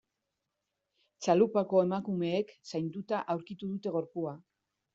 Txalupako emakumeek zainduta aurkitu dute gorpua.